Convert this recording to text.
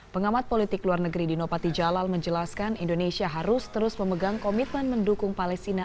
pengamat politik luar negeri dino patijalal menjelaskan indonesia harus terus memegang komitmen mendukung palestina